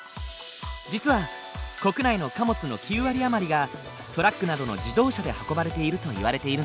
実は国内の貨物の９割余りがトラックなどの自動車で運ばれているといわれているんだ。